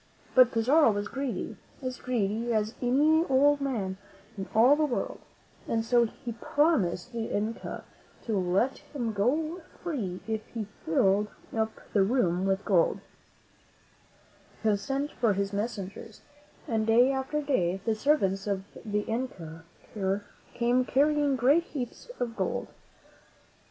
But Pizarro was greedy, as greedy as any old man in all the world, and so he promised the Inca to let him go free if he filled up the room with gold. The Inca sent for his ^ MEN WHO FOUND AMERICA ¥krUym^< IJiii:' messengers, and day after day the servants of the Inca came carrying great heaps of gold.